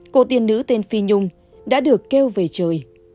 cô tiên nữ tên phi nhung đã được kêu về trời